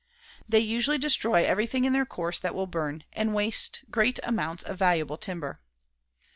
They usually destroy everything in their course that will burn, and waste great amounts of valuable timber.